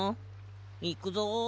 いくぞ。